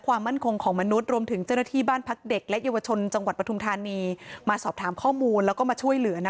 หมกหลานแล้วก็เธอเองหนีไปไม่ดีเหรอพูดถึงอ่ะอันนี้ยังเจ้าหาทำรวจเอง